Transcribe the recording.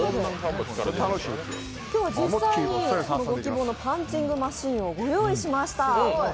今日は実際にパンチングマシンをご用意しました。